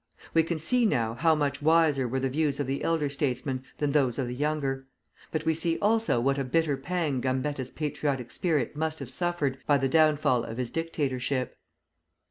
We can see now how much wiser were the views of the elder statesman than those of the younger; but we see also what a bitter pang Gambetta's patriotic spirit must have suffered by the downfall of his dictatorship.